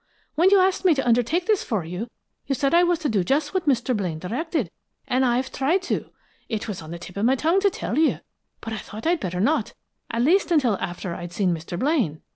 When you asked me to undertake this for you, you said I was to do just what Mr. Blaine directed, and I've tried to. It was on the tip of my tongue to tell you, but I thought I'd better not, at least until I had seen Mr. Blaine.